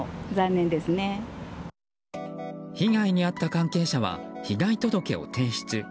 被害に遭った関係者は被害届を提出。